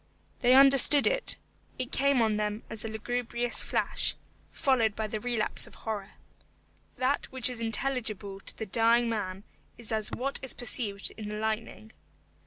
They understood it. It came on them as a lugubrious flash, followed by the relapse of horror. That which is intelligible to the dying man is as what is perceived in the lightning.